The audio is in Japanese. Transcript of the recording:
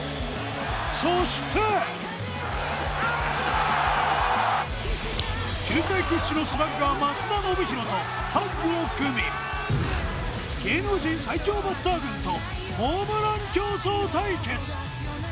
そして球界屈指のスラッガー・松田宣浩とタッグを組み、芸能人最強バッター軍とホームラン競争対決。